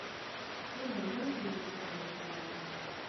ټوله ورځ یې ماغزه را وخوړل.